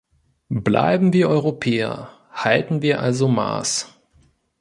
Bleiben wir Europäer, halten wir also Maß!